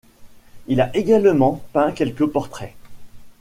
Il a également peint quelques portraits.